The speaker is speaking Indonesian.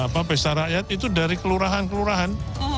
pesta rakyat itu dari kelurahan kelurahan